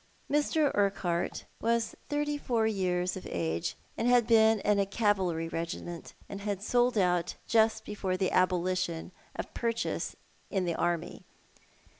Mr. Urquhart was thirty four years of age, had been in a cavalry regiment, and had sold out just before the abolition of purchase in the army.